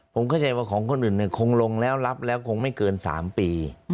ผมเข้าใจว่าของคนอื่นคงลงแล้วรับแล้วคงไม่เกิน๓ปี